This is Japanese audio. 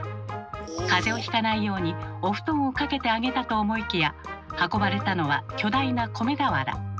風邪をひかないようにお布団をかけてあげたと思いきや運ばれたのは巨大な米俵。